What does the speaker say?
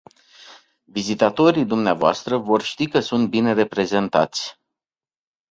Vizitatorii dvs. vor ști că sunt bine reprezentați.